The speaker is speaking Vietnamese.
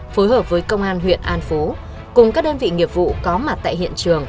phối hợp với công an huyện an phú cùng các đơn vị nghiệp vụ có mặt tại hiện trường